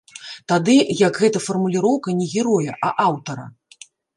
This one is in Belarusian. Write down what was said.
Тады як гэта фармуліроўка не героя, а аўтара.